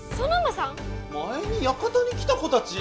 ⁉前にやかたに来た子たち